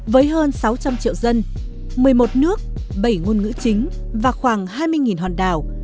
với hơn sáu trăm linh triệu dân một mươi một nước bảy ngôn ngữ chính và khoảng hai mươi hòn đảo